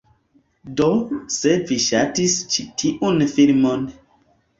Do, se vi ŝatis ĉi tiun filmon